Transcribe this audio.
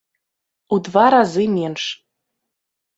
У два разы менш.